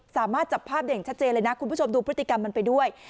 สามารถจับภาพได้อย่างชัดเจนเลยนะคุณผู้ชมดูพฤติกรรมมันไปด้วย